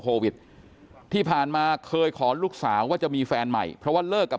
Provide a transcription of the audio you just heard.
โควิดที่ผ่านมาเคยขอลูกสาวว่าจะมีแฟนใหม่เพราะว่าเลิกกับ